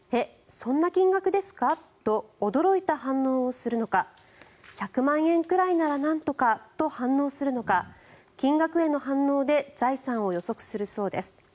そんな金額ですか！と驚いた反応をするのか１００万円くらいならなんとかと反応するのか金額への反応で財産を予測するそうです。